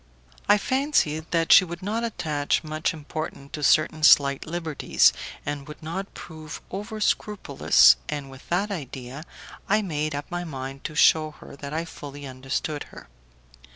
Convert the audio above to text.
I fancied that she would not attach much importance to certain slight liberties, and would not prove over scrupulous, and with that idea I made up my mind to shew her that I fully understood her.